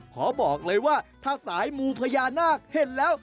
ขอบอกเลยว่าถ้าสายมูพญานาคเห็นแล้ว